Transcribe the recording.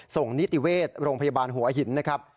นิติเวชโรงพยาบาลหัวหินนะครับ